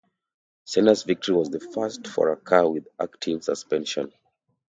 Senna's victory was the first for a car with active suspension.